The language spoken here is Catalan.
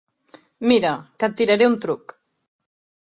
Mira, que et tiraré un truc.